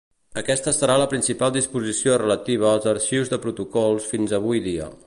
Aquesta serà la principal disposició relativa als arxius de protocols fins avui dia.